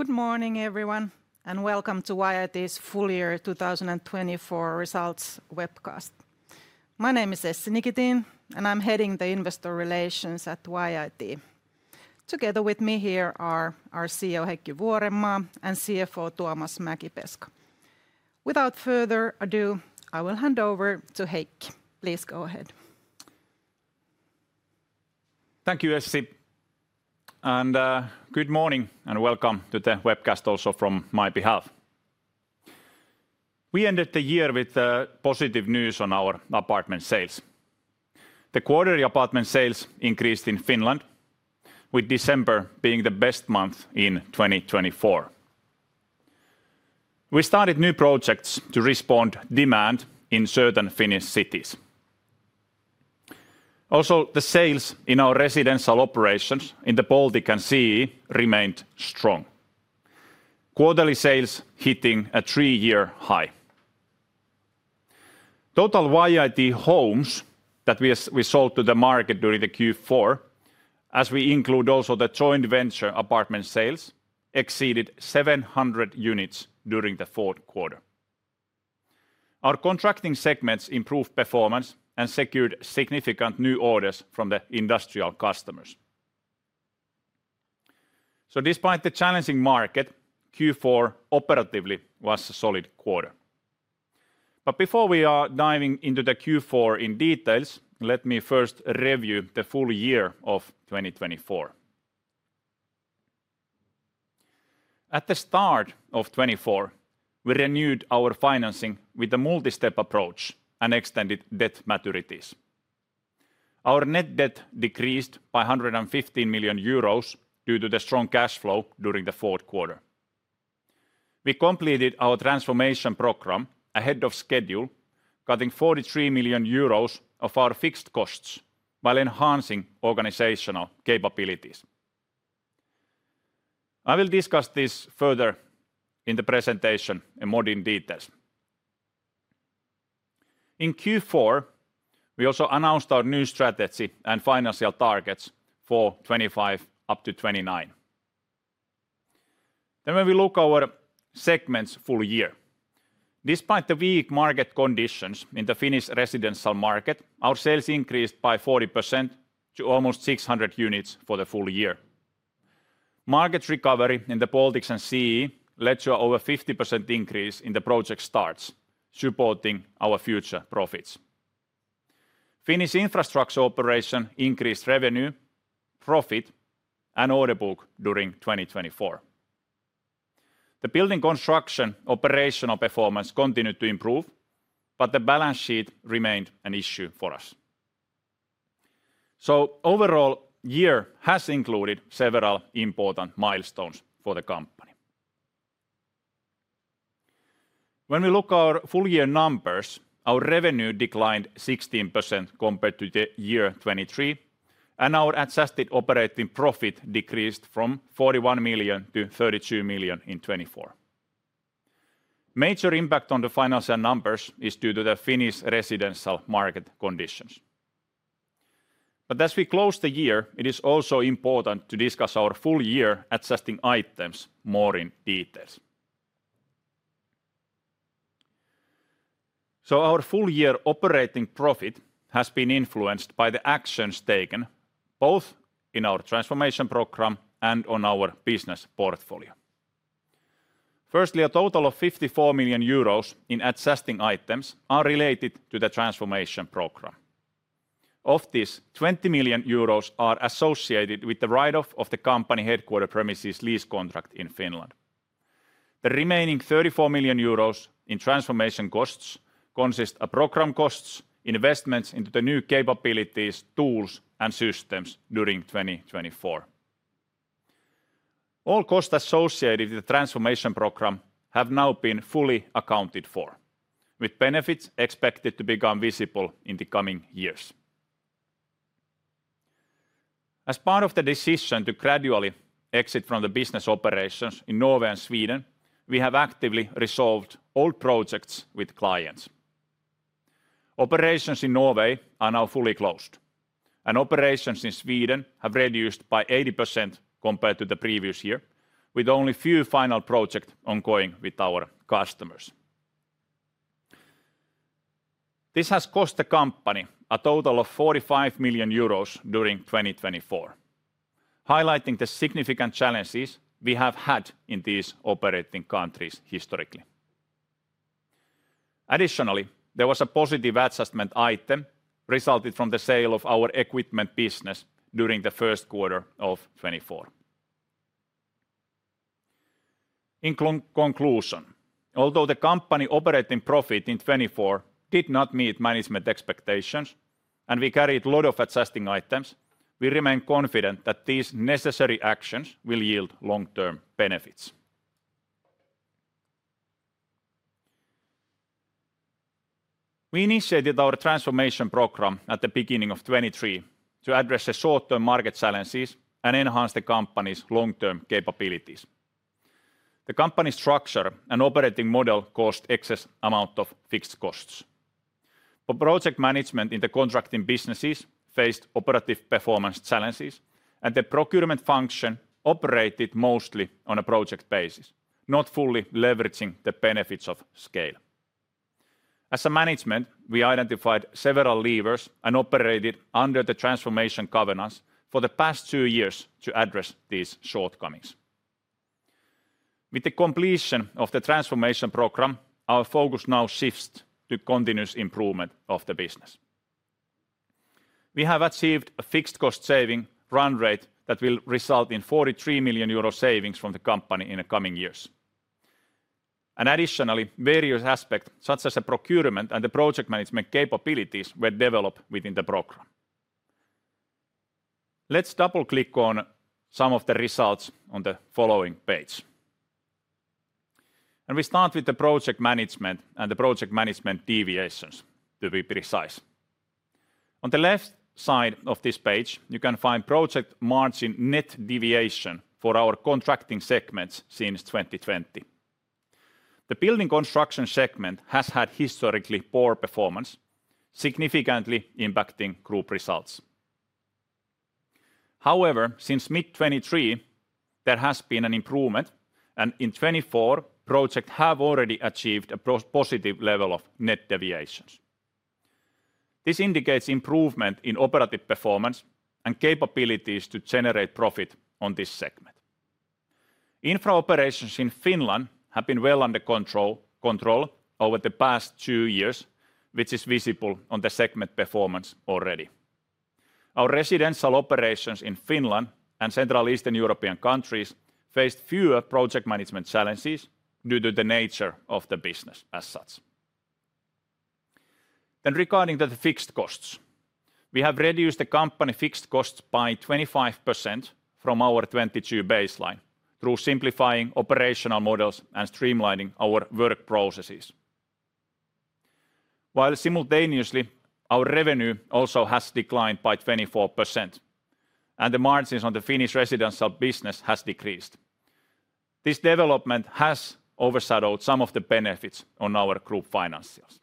Good morning, everyone, and welcome to YIT's full year 2024 results webcast. My name is Essi Nikitin, and I'm heading the Investor Relations at YIT. Together with me here are our CEO, Heikki Vuorenmaa, and CFO, Tuomas Mäkipeska. Without further ado, I will hand over to Heikki. Please go ahead. Thank you, Essi. And good morning and welcome to the webcast also from my behalf. We ended the year with positive news on our apartment sales. The quarterly apartment sales increased in Finland, with December being the best month in 2024. We started new projects to respond to demand in certain Finnish cities. Also, the sales in our residential operations in the Baltic and CEE remained strong, quarterly sales hitting a three-year high. Total YIT Homes that we sold to the market during the Q4, as we include also the joint venture apartment sales, exceeded 700 units during the fourth quarter. Our contracting segments improved performance and secured significant new orders from the industrial customers. So despite the challenging market, Q4 operationally was a solid quarter. But before we are diving into the Q4 in details, let me first review the full year of 2024. At the start of 2024, we renewed our financing with a multi-step approach and extended debt maturities. Our net debt decreased by 115 million euros due to the strong cash flow during the fourth quarter. We completed our transformation program ahead of schedule, cutting 43 million euros of our fixed costs while enhancing organizational capabilities. I will discuss this further in the presentation in more detail. In Q4, we also announced our new strategy and financial targets for 2025 up to 2029, then when we look at our segments full year, despite the weak market conditions in the Finnish residential market, our sales increased by 40% to almost 600 units for the full year. Market recovery in the Baltics and CEE led to an over 50% increase in the project starts, supporting our future profits. Finnish Infrastructure operation increased revenue, profit, and order book during 2024. The Building Construction operational performance continued to improve, but the balance sheet remained an issue for us. So overall year has included several important milestones for the company. When we look at our full year numbers, our revenue declined 16% compared to the year 2023, and our adjusted operating profit decreased from 41 million-32 million in 2024. Major impact on the financial numbers is due to the Finnish residential market conditions. But as we close the year, it is also important to discuss our full year adjusting items more in detail. So our full year operating profit has been influenced by the actions taken both in our transformation program and on our business portfolio. Firstly, a total of 54 million euros in adjusting items are related to the transformation program. Of this, 20 million euros are associated with the write-off of the company headquarters premises lease contract in Finland. The remaining 34 million euros in transformation costs consist of program costs, investments into the new capabilities, tools, and systems during 2024. All costs associated with the transformation program have now been fully accounted for, with benefits expected to become visible in the coming years. As part of the decision to gradually exit from the business operations in Norway and Sweden, we have actively resolved old projects with clients. Operations in Norway are now fully closed, and operations in Sweden have reduced by 80% compared to the previous year, with only a few final projects ongoing with our customers. This has cost the company a total of 45 million euros during 2024, highlighting the significant challenges we have had in these operating countries historically. Additionally, there was a positive adjustment item resulting from the sale of our equipment business during the first quarter of 2024. In conclusion, although the company operating profit in 2024 did not meet management expectations, and we carried a lot of adjusting items, we remain confident that these necessary actions will yield long-term benefits. We initiated our transformation program at the beginning of 2023 to address the short-term market challenges and enhance the company's long-term capabilities. The company's structure and operating model caused an excess amount of fixed costs. Project management in the contracting businesses faced operative performance challenges, and the procurement function operated mostly on a project basis, not fully leveraging the benefits of scale. As a management, we identified several levers and operated under the transformation governance for the past two years to address these shortcomings. With the completion of the transformation program, our focus now shifts to continuous improvement of the business. We have achieved a fixed cost saving run rate that will result in 43 million euro savings from the company in the coming years. And additionally, various aspects such as the procurement and the project management capabilities were developed within the program. Let's double-click on some of the results on the following page. And we start with the project management and the project management deviations, to be precise. On the left side of this page, you can find project margin net deviation for our contracting segments since 2020. The Building Construction segment has had historically poor performance, significantly impacting group results. However, since mid-2023, there has been an improvement, and in 2024, projects have already achieved a positive level of net deviations. This indicates improvement in operational performance and capabilities to generate profit on this segment. Infra operations in Finland have been well under control over the past two years, which is visible on the segment performance already. Our residential operations in Finland and Central and Eastern European countries faced fewer project management challenges due to the nature of the business as such. Then regarding the fixed costs, we have reduced the company fixed costs by 25% from our 2022 baseline through simplifying operational models and streamlining our work processes. While simultaneously, our revenue also has declined by 24%, and the margins on the Finnish residential business have decreased. This development has overshadowed some of the benefits on our group financials.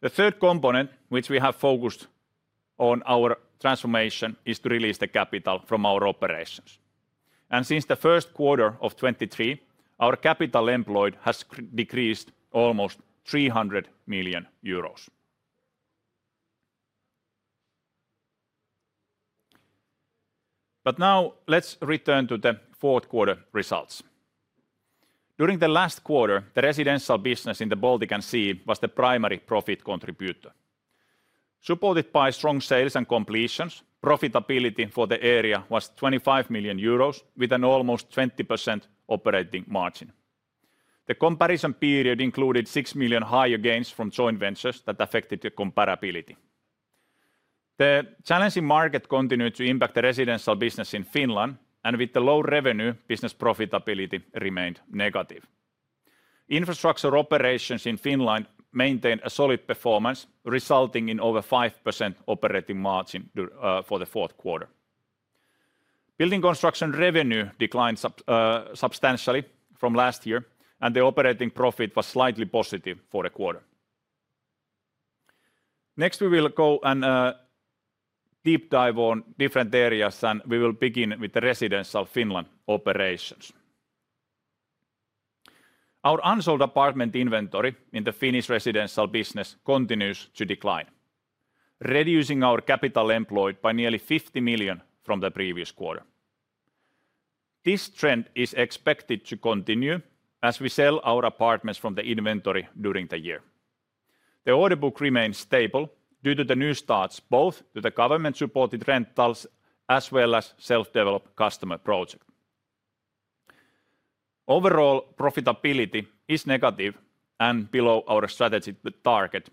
The third component, which we have focused on our transformation, is to release the capital from our operations. And since the first quarter of 2023, our capital employed has decreased to almost EUR 300 million. But now let's return to the fourth quarter results. During the last quarter, the residential business in the Baltic and CEE was the primary profit contributor. Supported by strong sales and completions, profitability for the area was 25 million euros, with an almost 20% operating margin. The comparison period included 6 million higher gains from joint ventures that affected the comparability. The challenging market continued to impact the residential business in Finland, and with the low revenue, business profitability remained negative. Infrastructure operations in Finland maintained a solid performance, resulting in over 5% operating margin for the fourth quarter. Building construction revenue declined substantially from last year, and the operating profit was slightly positive for the quarter. Next, we will go and deep dive on different areas, and we will begin with the residential Finland operations. Our unsold apartment inventory in the Finnish residential business continues to decline, reducing our capital employed by nearly 50 million from the previous quarter. This trend is expected to continue as we sell our apartments from the inventory during the year. The order book remains stable due to the new starts, both to the government-supported rentals as well as self-developed customer projects. Overall, profitability is negative and below our strategic target,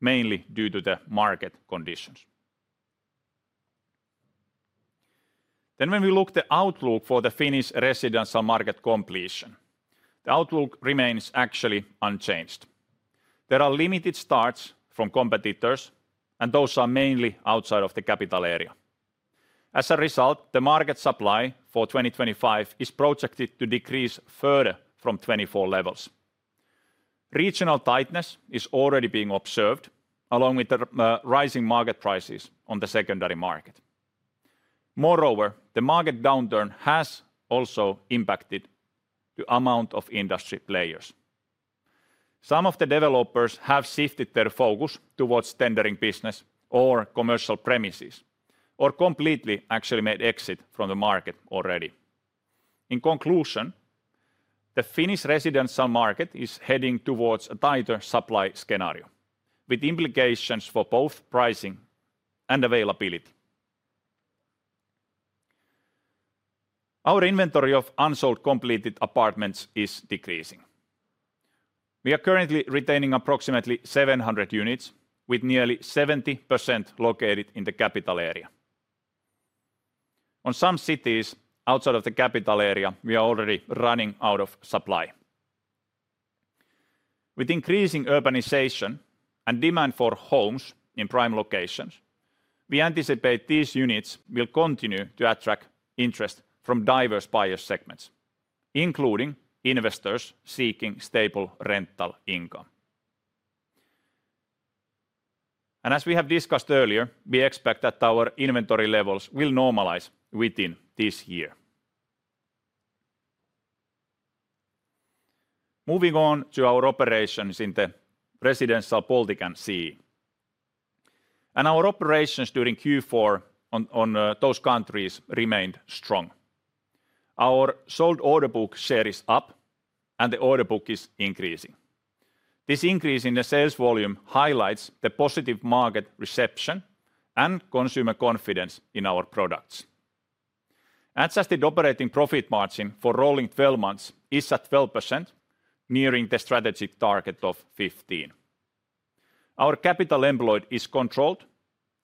mainly due to the market conditions. Then, when we look at the outlook for the Finnish residential market completion, the outlook remains actually unchanged. There are limited starts from competitors, and those are mainly outside of the capital area. As a result, the market supply for 2025 is projected to decrease further from 2024 levels. Regional tightness is already being observed, along with rising market prices on the secondary market. Moreover, the market downturn has also impacted the amount of industry players. Some of the developers have shifted their focus towards tendering business or commercial premises, or completely actually made exit from the market already. In conclusion, the Finnish residential market is heading towards a tighter supply scenario, with implications for both pricing and availability. Our inventory of unsold completed apartments is decreasing. We are currently retaining approximately 700 units, with nearly 70% located in the capital area. On some cities outside of the capital area, we are already running out of supply. With increasing urbanization and demand for homes in prime locations, we anticipate these units will continue to attract interest from diverse buyer segments, including investors seeking stable rental income. As we have discussed earlier, we expect that our inventory levels will normalize within this year. Moving on to our operations in the residential Baltic and CEE. Our operations during Q4 in those countries remained strong. Our sold order book share is up, and the order book is increasing. This increase in the sales volume highlights the positive market reception and consumer confidence in our products. Adjusted operating profit margin for rolling 12 months is at 12%, nearing the strategic target of 15%. Our capital employed is controlled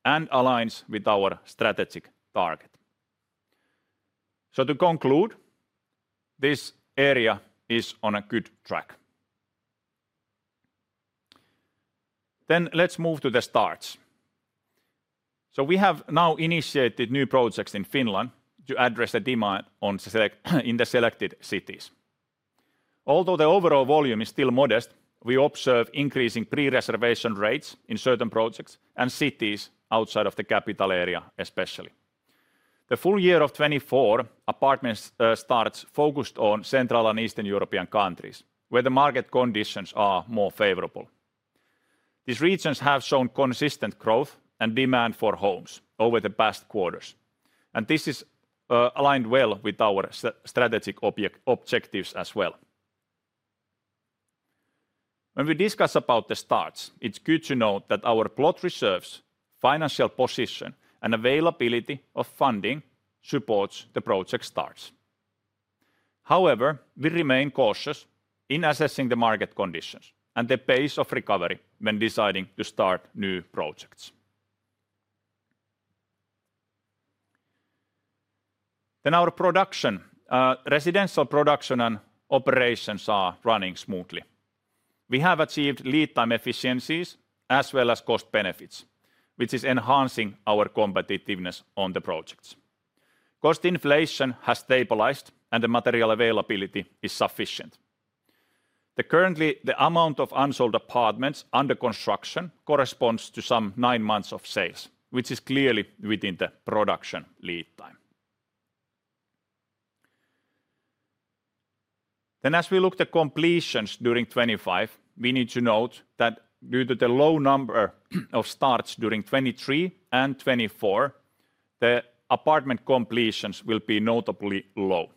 and aligns with our strategic target. To conclude, this area is on a good track. Let's move to the starts. We have now initiated new projects in Finland to address the demand in the selected cities. Although the overall volume is still modest, we observe increasing pre-reservation rates in certain projects and cities outside of the Capital area, especially. The full year of 2024 apartment starts focused on Central and Eastern European countries, where the market conditions are more favorable. These regions have shown consistent growth and demand for homes over the past quarters, and this is aligned well with our strategic objectives as well. When we discuss about the starts, it's good to note that our plot reserves, financial position, and availability of funding support the project starts. However, we remain cautious in assessing the market conditions and the pace of recovery when deciding to start new projects, then our production, residential production and operations are running smoothly. We have achieved lead time efficiencies as well as cost benefits, which is enhancing our competitiveness on the projects. Cost inflation has stabilized, and the material availability is sufficient. Currently, the amount of unsold apartments under construction corresponds to some nine months of sales, which is clearly within the production lead time. Then as we look at the completions during 2025, we need to note that due to the low number of starts during 2023 and 2024, the apartment completions will be notably low.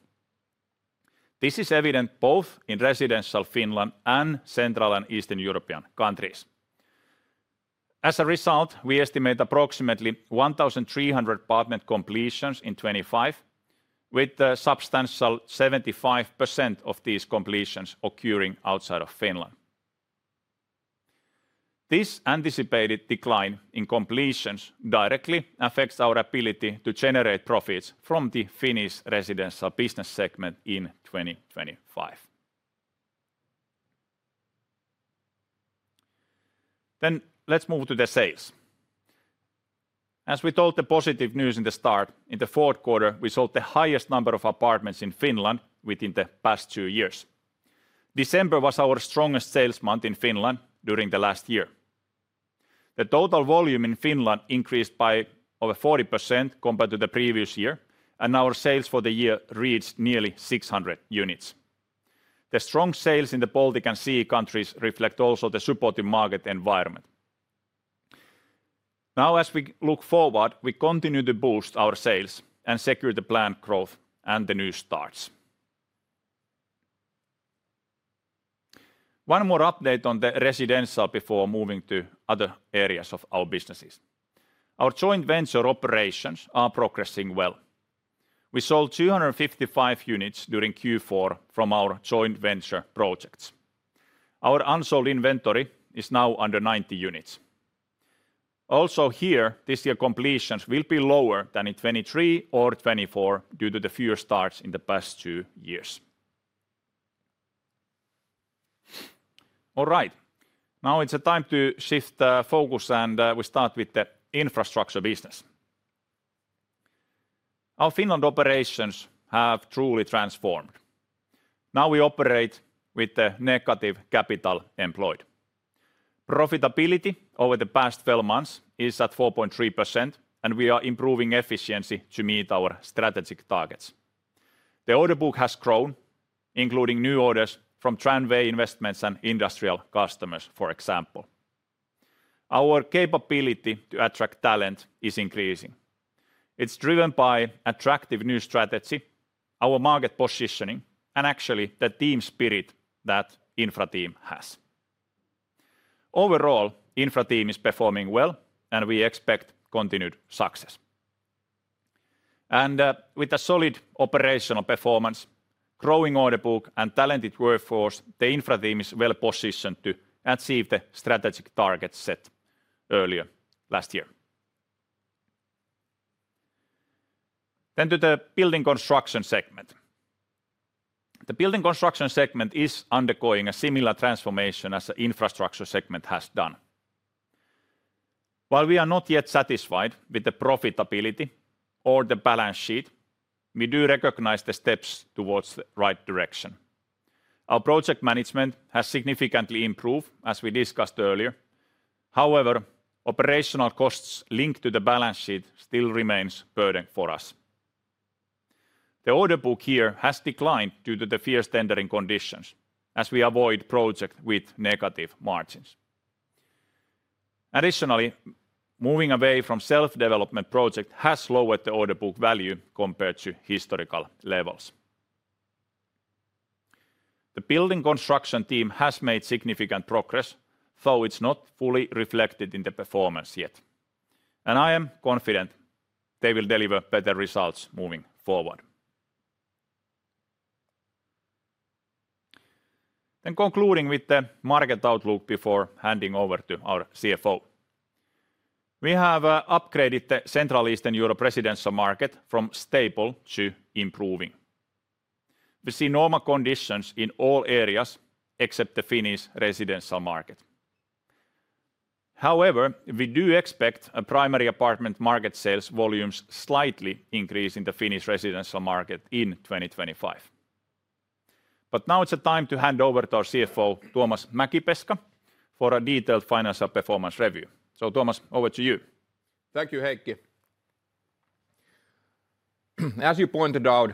This is evident both in residential Finland and Central and Eastern European countries. As a result, we estimate approximately 1,300 apartment completions in 2025, with a substantial 75% of these completions occurring outside of Finland. This anticipated decline in completions directly affects our ability to generate profits from the Finnish residential business segment in 2025. Then let's move to the sales. As we told the positive news in the start, in the fourth quarter, we sold the highest number of apartments in Finland within the past two years. December was our strongest sales month in Finland during the last year. The total volume in Finland increased by over 40% compared to the previous year, and our sales for the year reached nearly 600 units. The strong sales in the Baltic and CEE countries reflect also the supportive market environment. Now, as we look forward, we continue to boost our sales and secure the planned growth and the new starts. One more update on the residential before moving to other areas of our businesses. Our joint venture operations are progressing well. We sold 255 units during Q4 from our joint venture projects. Our unsold inventory is now under 90 units. Also here, this year completions will be lower than in 2023 or 2024 due to the fewer starts in the past two years. All right, now it's time to shift the focus and we start with the infrastructure business. Our Finland operations have truly transformed. Now we operate with the negative capital employed. Profitability over the past 12 months is at 4.3%, and we are improving efficiency to meet our strategic targets. The order book has grown, including new orders from tramway investments and industrial customers, for example. Our capability to attract talent is increasing. It's driven by attractive new strategy, our market positioning, and actually the team spirit that the infra team has. Overall, the infra team is performing well, and we expect continued success. With a solid operational performance, growing order book, and talented workforce, the infra team is well positioned to achieve the strategic targets set earlier last year. To the Building Construction segment. The Building Construction segment is undergoing a similar transformation as the infrastructure segment has done. While we are not yet satisfied with the profitability or the balance sheet, we do recognize the steps towards the right direction. Our project management has significantly improved, as we discussed earlier. However, operational costs linked to the balance sheet still remain burdening for us. The order book here has declined due to the fierce tendering conditions, as we avoid projects with negative margins. Additionally, moving away from self-development projects has lowered the order book value compared to historical levels. The Building Construction team has made significant progress, though it's not fully reflected in the performance yet. I am confident they will deliver better results moving forward. Concluding with the market outlook before handing over to our CFO, we have upgraded the Central and Eastern Europe residential market from stable to improving. We see normal conditions in all areas except the Finnish residential market. However, we do expect primary apartment market sales volumes slightly to increase in the Finnish residential market in 2025. Now it's time to hand over to our CFO, Tuomas Mäkipeska, for a detailed financial performance review. Tuomas, over to you. Thank you, Heikki. As you pointed out,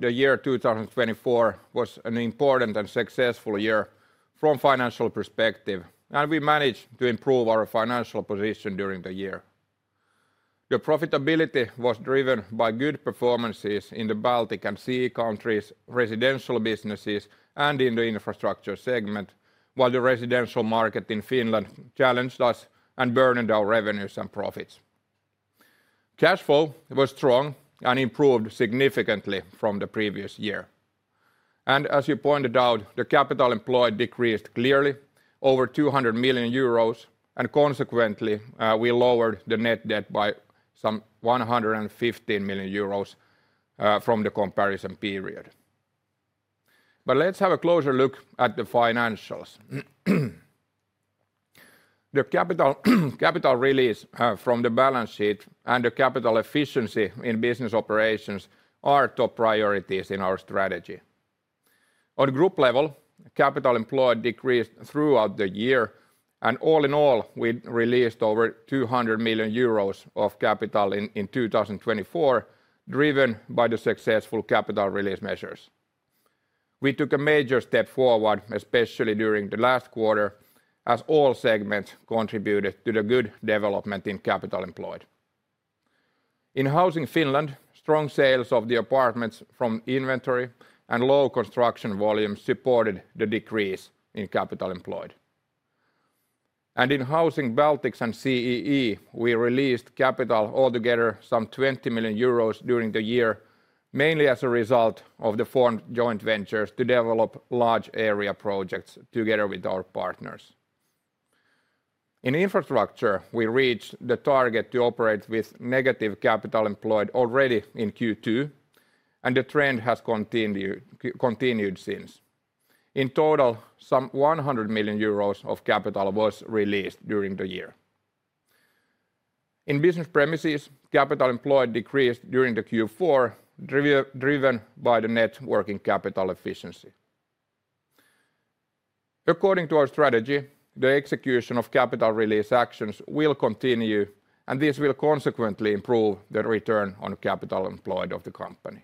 the year 2024 was an important and successful year from a financial perspective, and we managed to improve our financial position during the year. The profitability was driven by good performances in the Baltic and CEE countries, residential businesses, and in the infrastructure segment, while the residential market in Finland challenged us and burdened our revenues and profits. Cash flow was strong and improved significantly from the previous year. And as you pointed out, the capital employed decreased clearly over 200 million euros, and consequently, we lowered the net debt by some 115 million euros from the comparison period. But let's have a closer look at the financials. The capital release from the balance sheet and the capital efficiency in business operations are top priorities in our strategy. On a group level, capital employed decreased throughout the year, and all in all, we released over 200 million euros of capital in 2024, driven by the successful capital release measures. We took a major step forward, especially during the last quarter, as all segments contributed to the good development in capital employed. In Housing Finland, strong sales of the apartments from inventory and low construction volume supported the decrease in capital employed. In Housing Baltics and CEE, we released capital altogether some 20 million euros during the year, mainly as a result of the formed joint ventures to develop large area projects together with our partners. In infrastructure, we reached the target to operate with negative capital employed already in Q2, and the trend has continued since. In total, some 100 million euros of capital was released during the year. In Business Premises, capital employed decreased during Q4, driven by the net working capital efficiency. According to our strategy, the execution of capital release actions will continue, and this will consequently improve the return on capital employed of the company.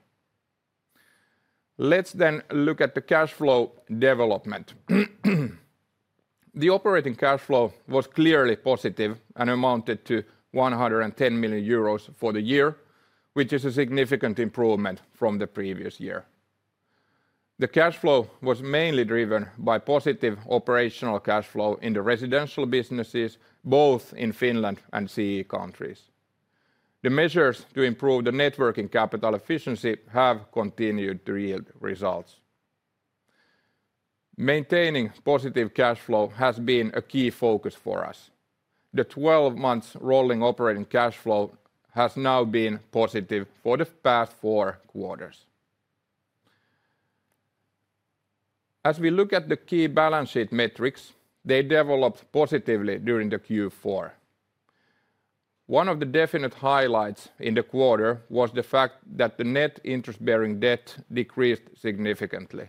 Let's then look at the cash flow development. The operating cash flow was clearly positive and amounted to 110 million euros for the year, which is a significant improvement from the previous year. The cash flow was mainly driven by positive operational cash flow in the residential businesses, both in Finland and CEE countries. The measures to improve the net working capital efficiency have continued to yield results. Maintaining positive cash flow has been a key focus for us. The 12-month rolling operating cash flow has now been positive for the past four quarters. As we look at the key balance sheet metrics, they developed positively during Q4. One of the definite highlights in the quarter was the fact that the net interest-bearing debt decreased significantly.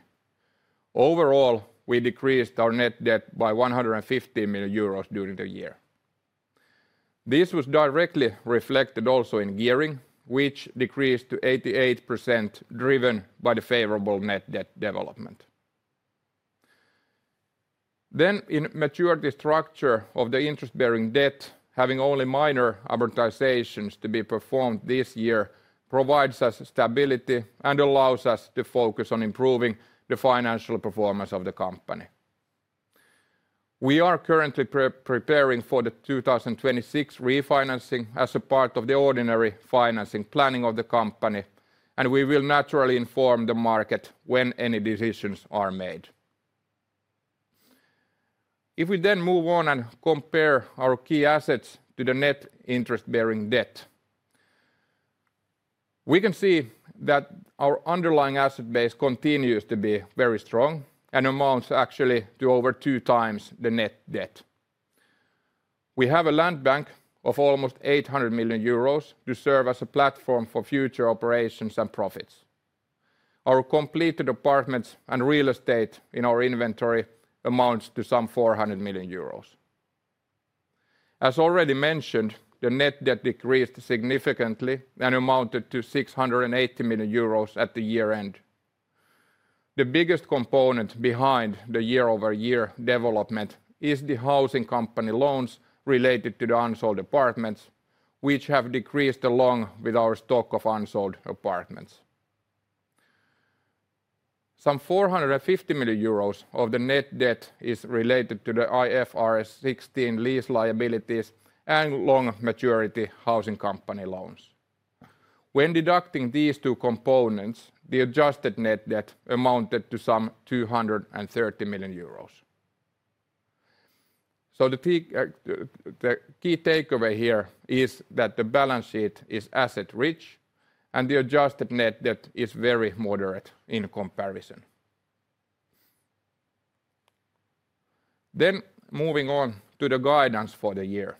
Overall, we decreased our net debt by 115 million euros during the year. This was directly reflected also in gearing, which decreased to 88%, driven by the favorable net debt development. Then, in maturity structure of the interest-bearing debt, having only minor amortizations to be performed this year, provides us stability and allows us to focus on improving the financial performance of the company. We are currently preparing for the 2026 refinancing as a part of the ordinary financing planning of the company, and we will naturally inform the market when any decisions are made. If we then move on and compare our key assets to the net interest-bearing debt, we can see that our underlying asset base continues to be very strong and amounts actually to over two times the net debt. We have a land bank of almost 800 million euros to serve as a platform for future operations and profits. Our completed apartments and real estate in our inventory amounts to some 400 million euros. As already mentioned, the net debt decreased significantly and amounted to 680 million euros at the year-end. The biggest component behind the year-over-year development is the housing company loans related to the unsold apartments, which have decreased along with our stock of unsold apartments. Some 450 million euros of the net debt is related to the IFRS 16 lease liabilities and long maturity housing company loans. When deducting these two components, the adjusted net debt amounted to some 230 million euros. So the key takeaway here is that the balance sheet is asset-rich and the adjusted net debt is very moderate in comparison. Then moving on to the guidance for the year.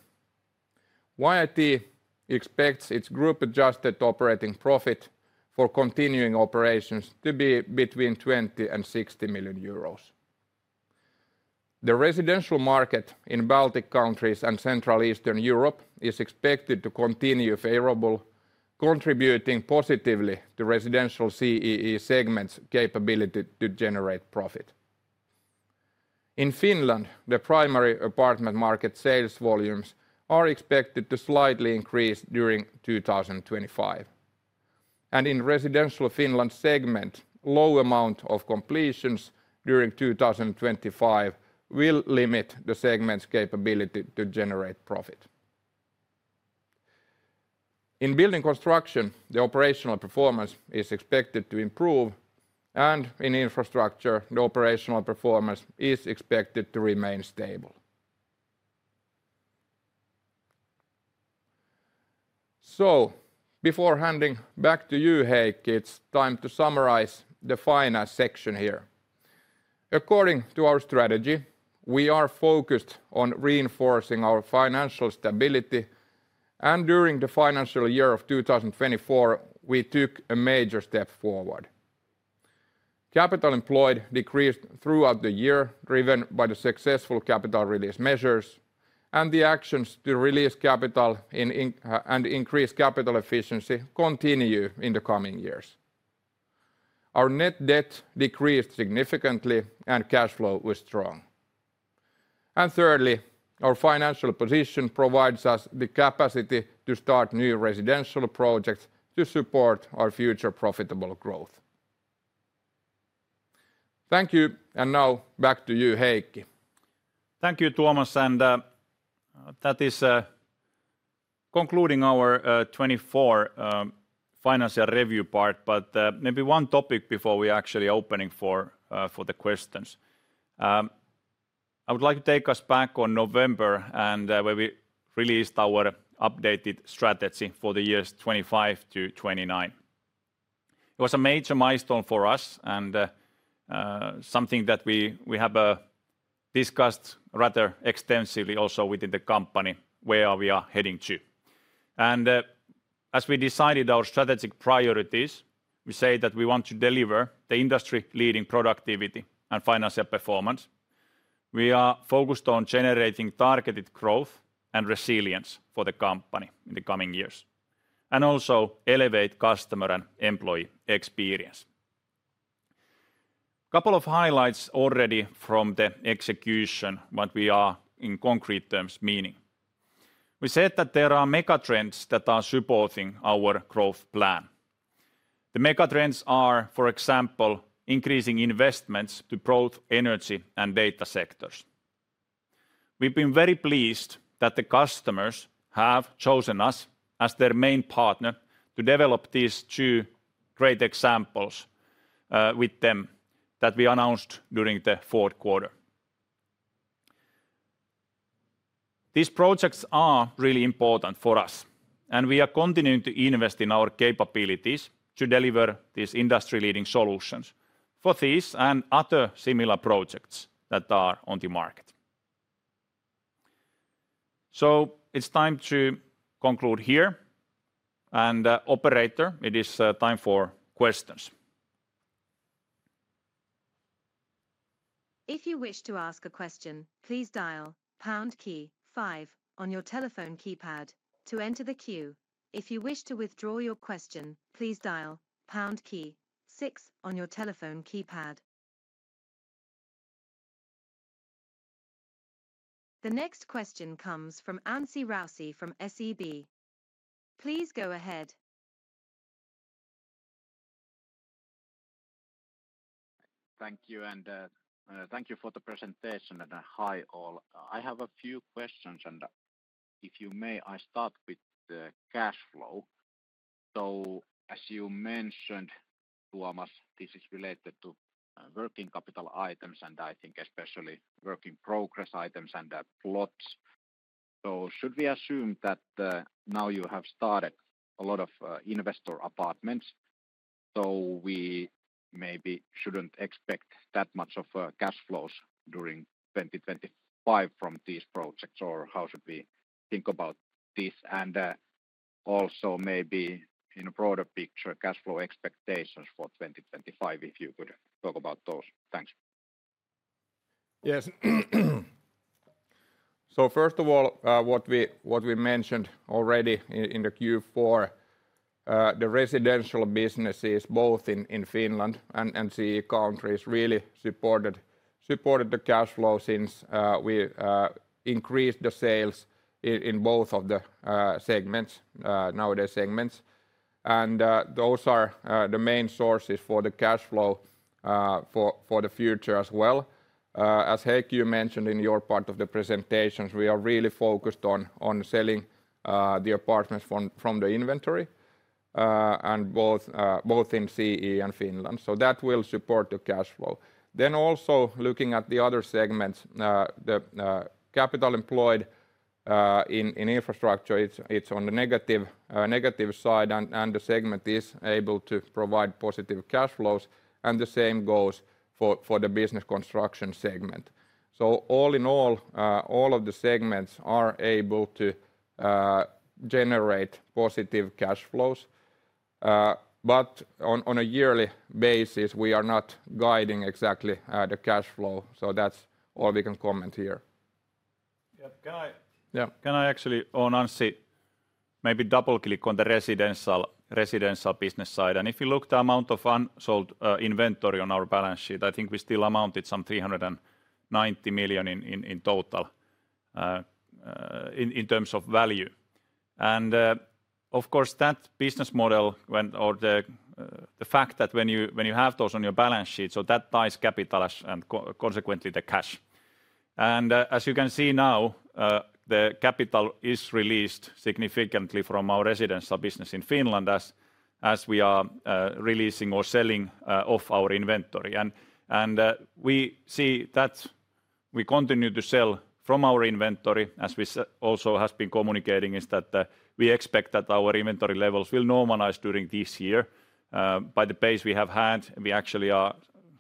YIT expects its group adjusted operating profit for continuing operations to be between 20 million and 60 million euros. The residential market in Baltic countries and Central and Eastern Europe is expected to continue favorable, contributing positively to residential CEE segment's capability to generate profit. In Finland, the primary apartment market sales volumes are expected to slightly increase during 2025. In residential Finland segment, low amount of completions during 2025 will limit the segment's capability to generate profit. In Building Construction, the operational performance is expected to improve, and in infrastructure, the operational performance is expected to remain stable. Before handing back to you, Heikki, it is time to summarize the finance section here. According to our strategy, we are focused on reinforcing our financial stability, and during the financial year of 2024, we took a major step forward. Capital employed decreased throughout the year, driven by the successful capital release measures, and the actions to release capital and increase capital efficiency continue in the coming years. Our net debt decreased significantly, and cash flow was strong. And thirdly, our financial position provides us the capacity to start new residential projects to support our future profitable growth. Thank you, and now back to you, Heikki. Thank you, Tuomas, and that is concluding our 2024 financial review part, but maybe one topic before we actually open for the questions. I would like to take us back to November and where we released our updated strategy for the years 2025-2029. It was a major milestone for us and something that we have discussed rather extensively also within the company where we are heading to. As we decided our strategic priorities, we say that we want to deliver the industry-leading productivity and financial performance. We are focused on generating targeted growth and resilience for the company in the coming years and also elevate customer and employee experience. A couple of highlights already from the execution, what we are in concrete terms meaning. We said that there are mega trends that are supporting our growth plan. The mega trends are, for example, increasing investments to both energy and data sectors. We've been very pleased that the customers have chosen us as their main partner to develop these two great examples with them that we announced during the fourth quarter. These projects are really important for us, and we are continuing to invest in our capabilities to deliver these industry-leading solutions for these and other similar projects that are on the market. So it's time to conclude here, and operator, it is time for questions. If you wish to ask a question, please dial pound key five on your telephone keypad to enter the queue. If you wish to withdraw your question, please dial pound key six on your telephone keypad. The next question comes from Anssi Raussi from SEB. Please go ahead. Thank you, and thank you for the presentation, and hi all. I have a few questions, and if I may, I start with the cash flow. So as you mentioned, Tuomas, this is related to working capital items, and I think especially work in progress items and plots. So should we assume that now you have started a lot of investor apartments, so we maybe shouldn't expect that much of cash flows during 2025 from these projects, or how should we think about this? Also maybe in a broader picture, cash flow expectations for 2025, if you could talk about those. Thanks. Yes. First of all, what we mentioned already in the Q4, the residential businesses, both in Finland and CEE countries, really supported the cash flow since we increased the sales in both of the nowadays segments. Those are the main sources for the cash flow for the future as well. As Heikki mentioned in your part of the presentations, we are really focused on selling the apartments from the inventory and both in CEE and Finland. That will support the cash flow. Then also looking at the other segments, the capital employed in infrastructure, it's on the negative side, and the segment is able to provide positive cash flows, and the same goes for the building construction segment. So all in all, all of the segments are able to generate positive cash flows, but on a yearly basis, we are not guiding exactly the cash flow, so that's all we can comment here. Yeah, can I actually on Anssi maybe double-click on the residential business side? And if you look at the amount of unsold inventory on our balance sheet, I think we still amounted some 390 million in total in terms of value. And of course, that business model or the fact that when you have those on your balance sheet, so that ties capital and consequently the cash. And as you can see now, the capital is released significantly from our residential business in Finland as we are releasing or selling off our inventory. We see that we continue to sell from our inventory, as we also have been communicating is that we expect that our inventory levels will normalize during this year. By the pace we have had, we actually are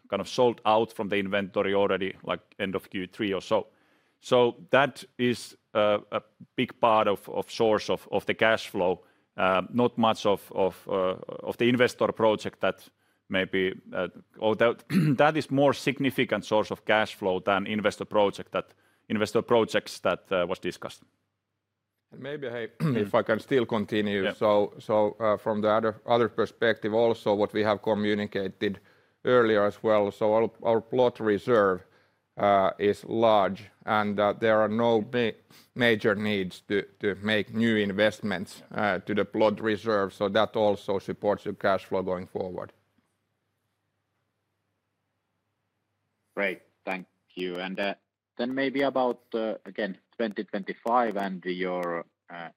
kind of sold out from the inventory already like end of Q3 or so. So that is a big part of source of the cash flow, not much of the investor project that maybe that is more significant source of cash flow than investor projects that was discussed. And maybe if I can still continue, so from the other perspective also what we have communicated earlier as well, so our plot reserve is large and there are no major needs to make new investments to the plot reserve, so that also supports your cash flow going forward. Great, thank you. And then maybe about again 2025 and your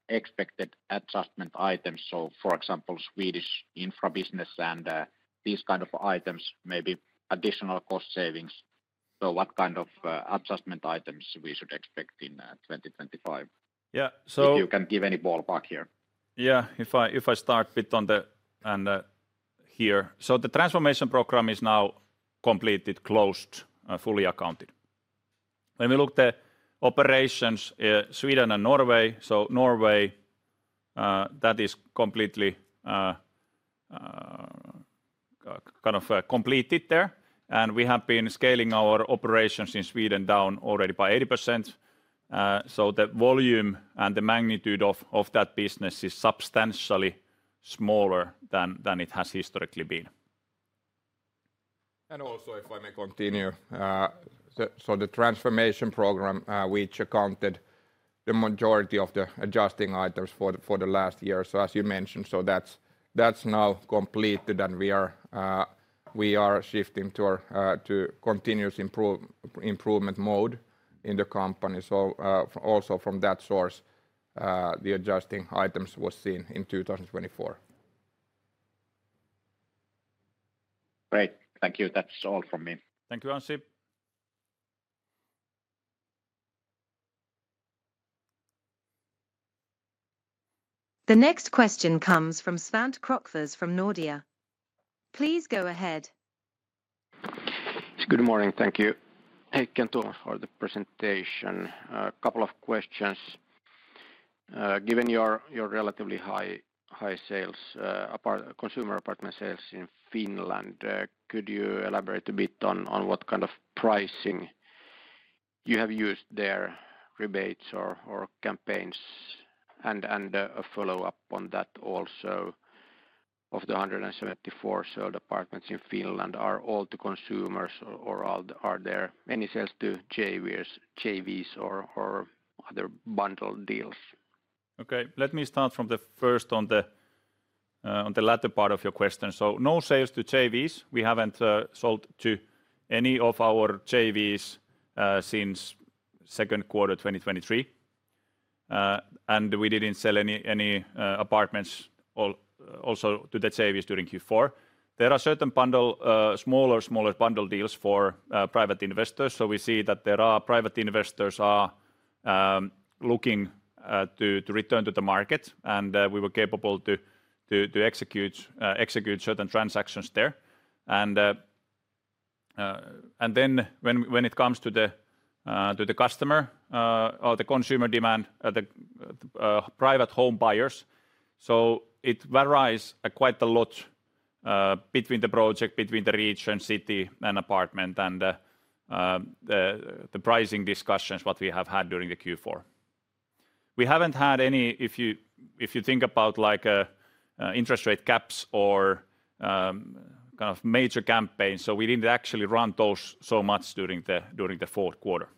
expected adjustment items, so for example, Swedish infra business and these kind of items, maybe additional cost savings. So what kind of adjustment items we should expect in 2025? Yeah. So if you can give any ballpark here. Yeah, if I start a bit on the here. So the transformation program is now completed, closed, fully accounted. When we look at the operations Sweden and Norway, so Norway, that is completely kind of completed there, and we have been scaling our operations in Sweden down already by 80%. So the volume and the magnitude of that business is substantially smaller than it has historically been. And also, if I may continue, the transformation program, which accounted for the majority of the adjusting items for the last year, as you mentioned, that's now completed and we are shifting to continuous improvement mode in the company. So also from that source, the adjusting items were seen in 2024. Great, thank you. That's all from me. Thank you, Anssi. The next question comes from Svante Krokfors from Nordea. Please go ahead. Good morning, thank you. Heikki. For the presentation, a couple of questions. Given your relatively high sales, consumer apartment sales in Finland, could you elaborate a bit on what kind of pricing you have used there, rebates or campaigns, and a follow-up on that also of the 174 sold apartments in Finland are all to consumers or are there any sales to JVs or other bundle deals? Okay, let me start from the first on the latter part of your question. So no sales to JVs. We haven't sold to any of our JVs since second quarter 2023, and we didn't sell any apartments also to the JVs during Q4. There are certain smaller bundle deals for private investors, so we see that there are private investors looking to return to the market, and we were capable to execute certain transactions there, and then when it comes to the customer or the consumer demand, the private home buyers, so it varies quite a lot between the project, between the region, city, and apartment, and the pricing discussions what we have had during the Q4. We haven't had any, if you think about like interest rate caps or kind of major campaigns, so we didn't actually run those so much during the fourth quarter.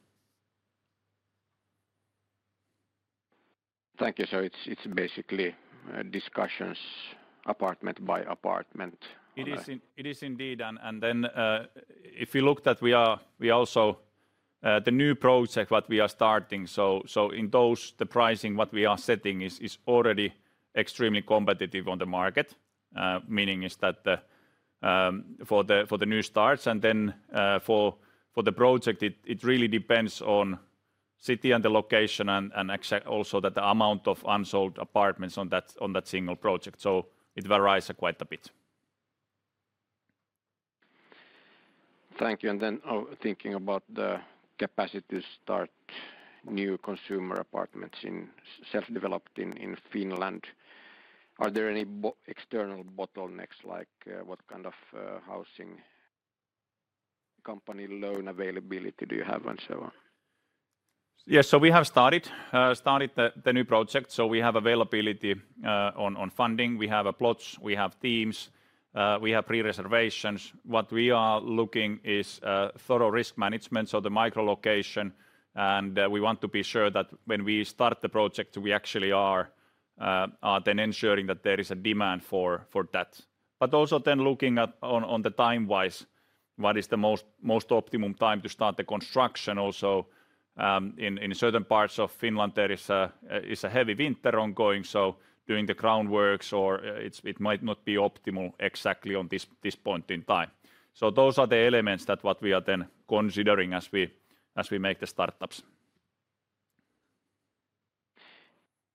Thank you, so it's basically discussions apartment by apartment. It is indeed, and then if you look that we are also the new project what we are starting, so in those, the pricing what we are setting is already extremely competitive on the market, meaning is that for the new starts and then for the project, it really depends on city and the location and also that the amount of unsold apartments on that single project, so it varies quite a bit. Thank you, and then thinking about the capacity to start new consumer apartments in self-developed in Finland, are there any external bottlenecks like what kind of housing company loan availability do you have and so on? Yes, so we have started the new project, so we have availability on funding, we have plots, we have teams, we have pre-reservations. What we are looking is thorough risk management, so the micro-location, and we want to be sure that when we start the project, we actually are then ensuring that there is a demand for that. But also then looking on the time-wise, what is the most optimum time to start the construction. Also in certain parts of Finland there is a heavy winter ongoing, so doing the groundworks or it might not be optimal exactly on this point in time. So those are the elements that what we are then considering as we make the startups.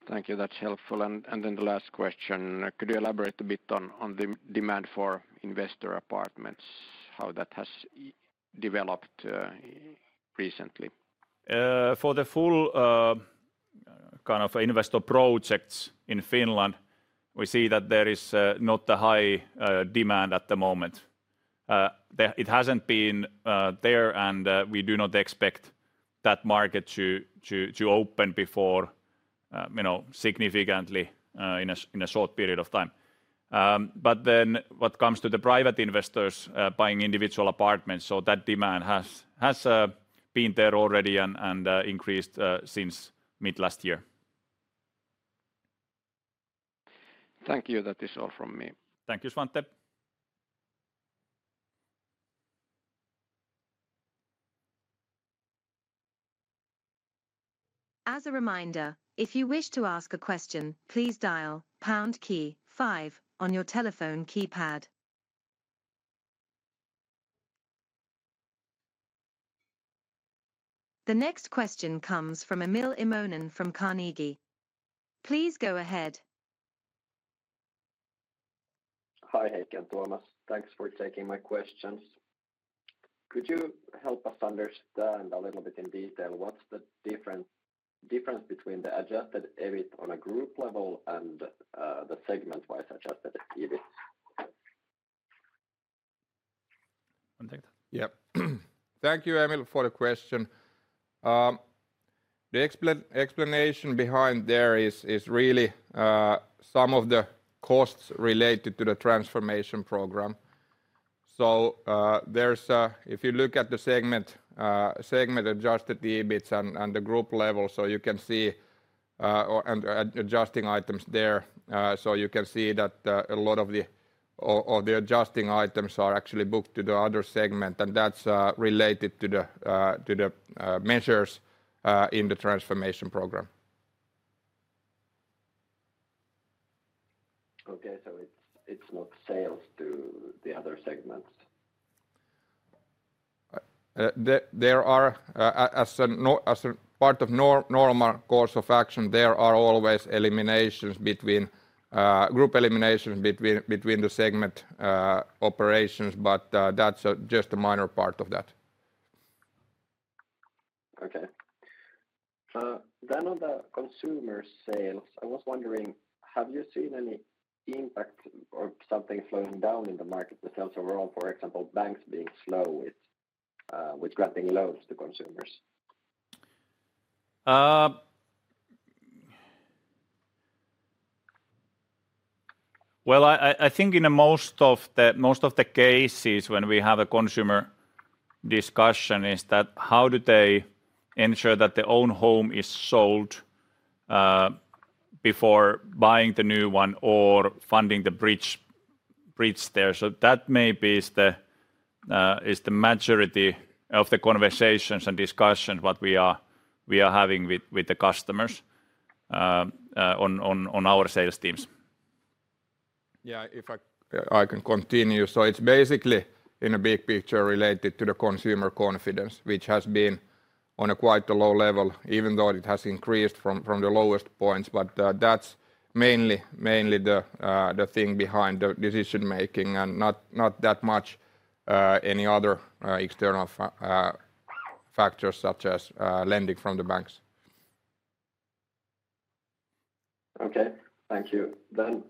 Thank you, that's helpful, and then the last question. Could you elaborate a bit on the demand for investor apartments, how that has developed recently? For the full kind of investor projects in Finland, we see that there is not a high demand at the moment. It hasn't been there, and we do not expect that market to open significantly in a short period of time. But then what comes to the private investors buying individual apartments, so that demand has been there already and increased since mid last year. Thank you, that is all from me. Thank you, Svante. As a reminder, if you wish to ask a question, please dial pound key five on your telephone keypad. The next question comes from Emil Immonen from Carnegie. Please go ahead. Hi Heikki and Tuomas, thanks for taking my questions. Could you help us understand a little bit in detail what's the difference between the adjusted EBIT on a group level and the segment-wise adjusted EBIT? Yeah, thank you Emil for the question. The explanation behind there is really some of the costs related to the transformation program. So if you look at the segment-adjusted EBITs and the group level, so you can see adjusting items there, so you can see that a lot of the adjusting items are actually booked to the other segment, and that's related to the measures in the transformation program. Okay, so it's not sales to the other segments. There are, as a part of normal course of action, always group eliminations between the segment operations, but that's just a minor part of that. Okay. Then on the consumer sales, I was wondering, have you seen any impact of something slowing down in the market, the sales overall, for example, banks being slow with granting loans to consumers? Well, I think in most of the cases when we have a consumer discussion is that how do they ensure that their own home is sold before buying the new one or funding the bridge there. So that maybe is the majority of the conversations and discussions what we are having with the customers on our sales teams. Yeah, if I can continue, so it's basically in a big picture related to the consumer confidence, which has been on a quite low level, even though it has increased from the lowest points, but that's mainly the thing behind the decision-making and not that much any other external factors such as lending from the banks. Okay, thank you. Then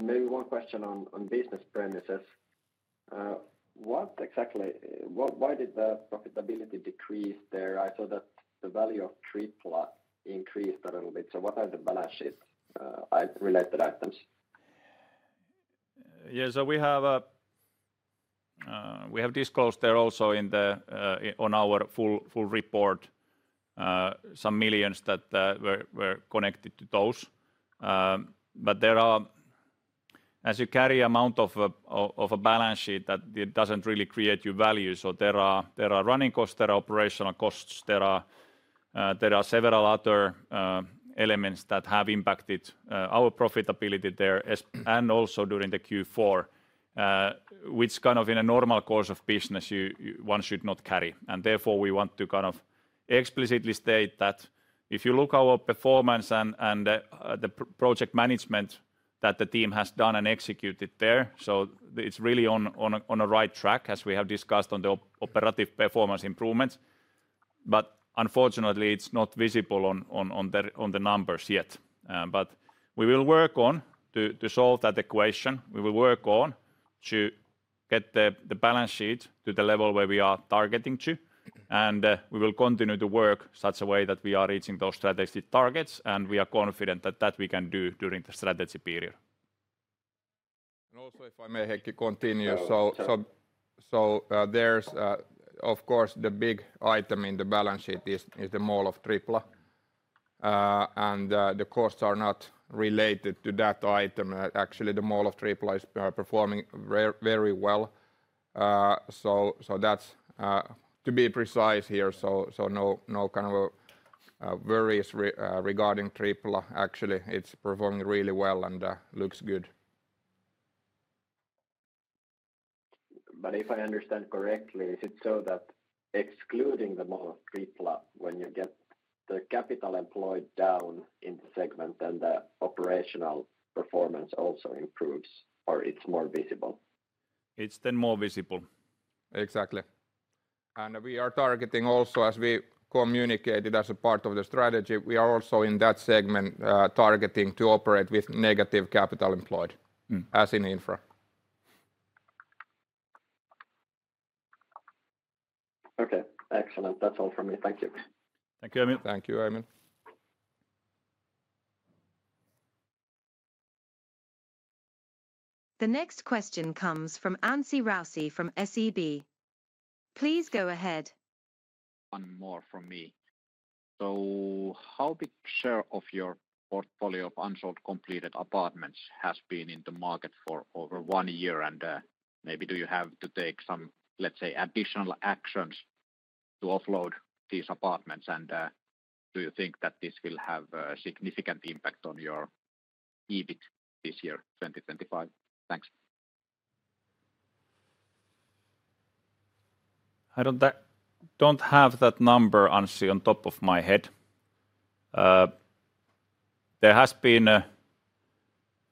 maybe one question on Business Premises. What exactly, why did the profitability decrease there? I saw that the value of Tripla increased a little bit, so what are the balance sheet related items? Yeah, so we have disclosed there also on our full report some millions that were connected to those, but there are, as the carrying amount of a balance sheet that doesn't really create your value, so there are running costs, there are operational costs, there are several other elements that have impacted our profitability there and also during the Q4, which kind of in a normal course of business one should not carry. Therefore we want to kind of explicitly state that if you look at our performance and the project management that the team has done and executed there, so it's really on a right track as we have discussed on the operative performance improvements, but unfortunately it's not visible on the numbers yet. But we will work on to solve that equation, we will work on to get the balance sheet to the level where we are targeting to, and we will continue to work such a way that we are reaching those strategic targets, and we are confident that that we can do during the strategy period. And also, if I may, Heikki, continue, so there's of course the big item in the balance sheet is the Mall of Tripla, and the costs are not related to that item; actually the Mall of Tripla is performing very well. So that's to be precise here, so no kind of worries regarding Tripla; actually it's performing really well and looks good. But if I understand correctly, is it so that excluding the Mall of Tripla, when you get the capital employed down in the segment and the operational performance also improves, or it's more visible? It's then more visible. Exactly, and we are targeting also as we communicated as a part of the strategy, we are also in that segment targeting to operate with negative capital employed, as in infra. Okay, excellent, that's all from me, thank you. Thank you, Emil. Thank you, Emil. The next question comes from Anssi Raussi from SEB. Please go ahead. One more from me. How big share of your portfolio of unsold completed apartments has been in the market for over one year, and maybe do you have to take some, let's say, additional actions to offload these apartments, and do you think that this will have a significant impact on your EBIT this year, 2025? Thanks. I don't have that number, Anssi, on top of my head. There has been,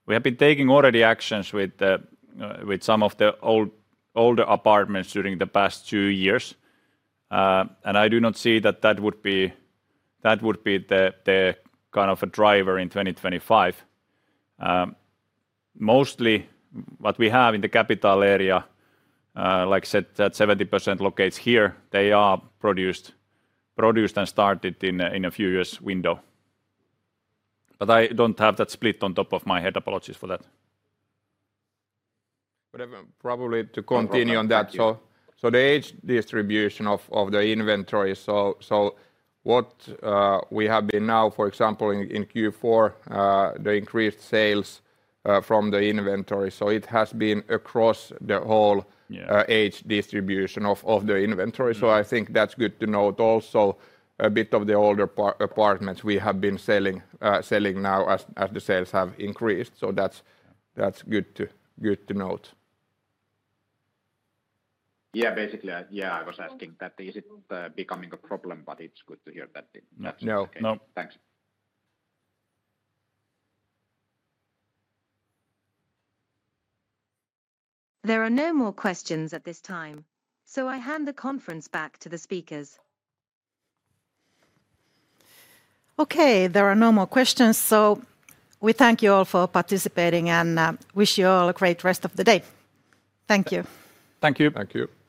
we have been taking already actions with some of the older apartments during the past two years, and I do not see that that would be the kind of a driver in 2025. Mostly what we have in the capital area, like said, that 70% locates here, they are produced and started in a few years' window. But I don't have that split on top of my head, apologies for that. Probably to continue on that, so the age distribution of the inventory, so what we have been now, for example, in Q4, the increased sales from the inventory, so it has been across the whole age distribution of the inventory, so I think that's good to note also a bit of the older apartments we have been selling now as the sales have increased, so that's good to note. Yeah, basically, yeah, I was asking that is it becoming a problem, but it's good to hear that. No, no. Thanks. There are no more questions at this time, so I hand the conference back to the speakers. Okay, there are no more questions, so we thank you all for participating and wish you all a great rest of the day. Thank you. Thank you. Thank you.